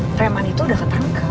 preman itu udah ketangkap